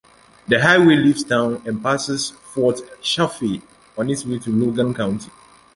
The highway leaves town and passes Fort Chaffee on its way to Logan County.